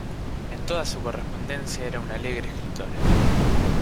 En toda su correspondencia era una alegre escritora.